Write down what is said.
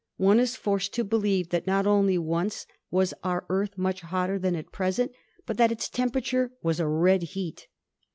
One is forced to believe that not only once was our Earth much hotter than at pres ent, but that its temperature was a red heat.